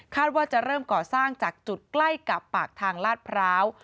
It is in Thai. ว่าจะเริ่มก่อสร้างจากจุดใกล้กับปากทางลาดพร้าว